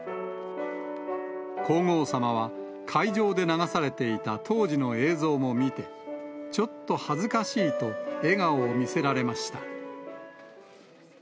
皇后さまは、会場で流されていた当時の映像も見て、ちょっと恥ずかしいと、笑顔を見せられました。